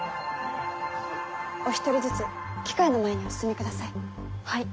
お一人ずつ機械の前にお進みください。